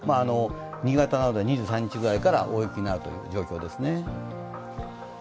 新潟など、２３日ぐらいから大雪になるという状況ですね。